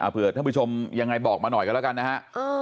เพื่อท่านผู้ชมยังไงบอกมาหน่อยกันแล้วกันนะฮะ